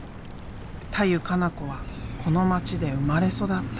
田湯加那子はこの町で生まれ育った。